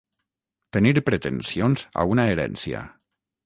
Tenir pretensions a una herència.